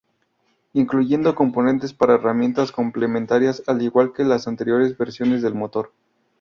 Incluyendo componentes para herramientas complementarias al igual que las anteriores versiones del motor.